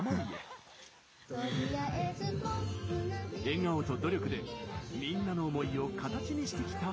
笑顔と努力でみんなの思いを形にしてきた２人。